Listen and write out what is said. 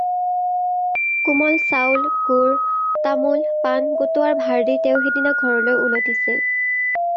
কোমল চাউল, গুৰ, তামোল, পাণ গোটোৱাৰ ভাৰ দি তেওঁ সেই দিনা ঘৰলৈ উলটিছিল।